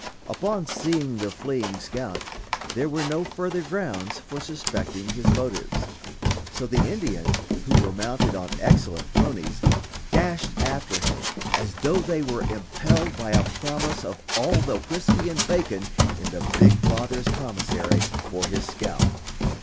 Upon seeing the fleeing scout, there were no further grounds for suspecting his motives; so the Indians, who were mounted on excellent ponies, dashed after him as though they were impelled by a promise of all the whisky and bacon in the big father's commissary for his scalp.